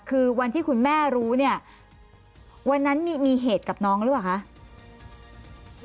คือวันที่คุณแม่รู้เนี่ยวันนั้นมีเหตุกับน้องหรือเปล่าคะ